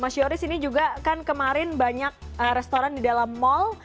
mas yoris ini juga kan kemarin banyak restoran di dalam mall